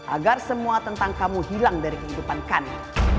agar semua tentang kamu hilang dari kehidupan kami